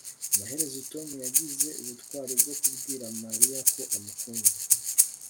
amaherezo tom yagize ubutwari bwo kubwira mariya ko amukunda